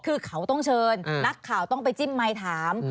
คือเขาต้องเชิญนักข่าวต้องไปจิ้มไมค์ถาม